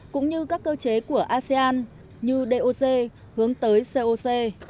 cũng như các cơ chế của asean như doc hướng tới coc